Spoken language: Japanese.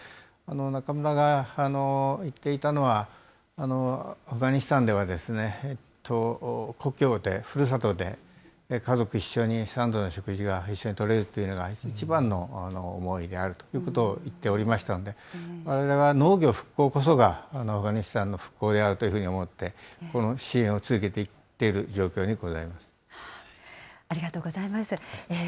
中村が言っていたのは、アフガニスタンでは、故郷で、ふるさとで、家族一緒に３度の食事が一緒にとれるっていうのが一番の思いであるということを言っておりましたので、われわれは農業復興こそがアフガニスタンの復興であるというふうに思って、支援を続けていっている状況にございます。